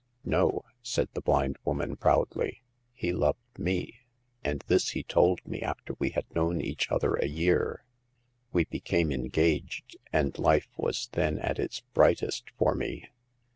No," said the blind woman, proudly ;" he loved me, and this he told me after we had known each other a year. We became engaged, and life was then at its brightest for me.